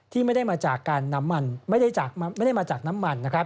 ที่ไม่ได้มาจากน้ำมัน